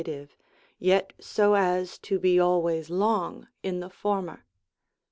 88 the Indie, yet so as to be always long in the former.